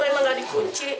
saya memang tidak dikunci